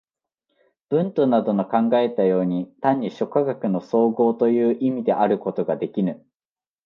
ヴントなどの考えたように、単に諸科学の綜合という意味であることができぬ。